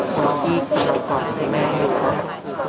สวัสดีครับสวัสดีครับ